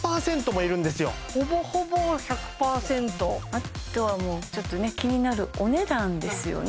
あとはもうちょっとね気になるお値段ですよね